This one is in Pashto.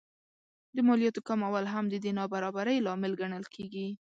د مالیاتو کمول هم د دې نابرابرۍ لامل ګڼل کېږي